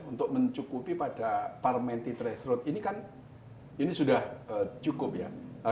untuk mencukupi pada parliamentary threshold ini kan ini sudah cukup ya